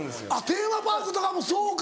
テーマパークとかもそうか。